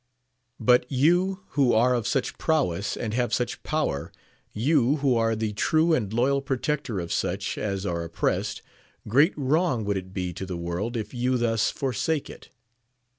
But you, who are of such prowess, and have such power, you who are the true and loyal protector of such as are oppressed, great wrong would it be to the world if you thus forsake it.